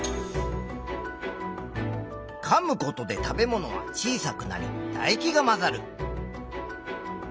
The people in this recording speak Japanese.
かむことで食べ物は小さくなりだ液が混ざる。